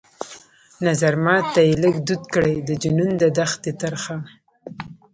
نظرمات ته يې لږ دود کړى د جنون د دښتي ترخه